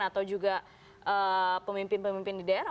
atau juga pemimpin pemimpin di daerah